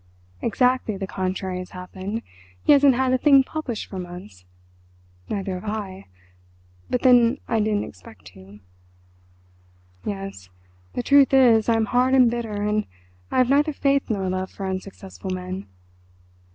Exactly the contrary has happened—he hasn't had a thing published for months—neither have I—but then I didn't expect to. Yes, the truth is, I'm hard and bitter, and I have neither faith nor love for unsuccessful men.